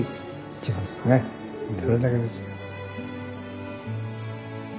それだけですよ。